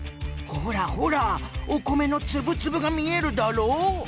ほらほらおこめのつぶつぶがみえるだろう。